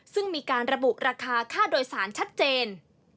ซึ่งมีการระบุราคาค่าโดยสารชัดเจน